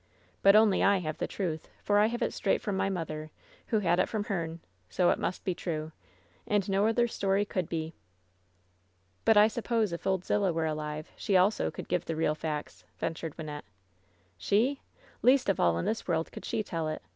But only I have the truth, for I have it straight from my mother, who had it from her'n ! So it must be true I And no other story could be !" "But I suppose if Old Zillah were alive she also could give the real facts," ventured Wynnette. "She? Least of all in this world could she tell it!